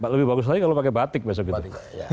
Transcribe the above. lebih bagus lagi kalau pakai batik besok itu